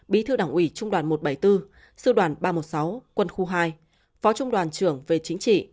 bí thư đảng ủy trung đoàn một trăm bảy mươi bốn sư đoàn ba trăm một mươi sáu quân khu hai phó trung đoàn trưởng về chính trị